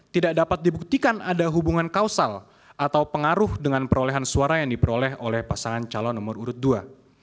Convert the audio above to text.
tidak dapat dibuktikan ada hubungan kausal atau pengaruh dengan perolehan suara yang diperoleh oleh pasangan calon nomor urut dua